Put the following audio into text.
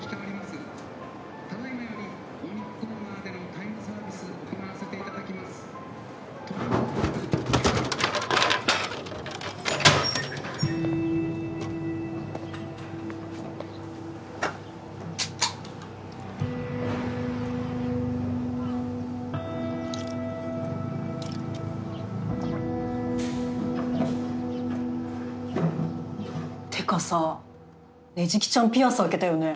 「ただ今よりお肉コーナーでのタイムサービス行わせて頂きます」ってかさ捻木ちゃんピアス開けたよね。